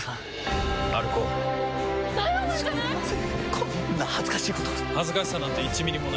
こんな恥ずかしいこと恥ずかしさなんて１ミリもない。